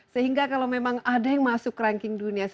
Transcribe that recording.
sehingga kalau memang ada yang masuk ranking dunia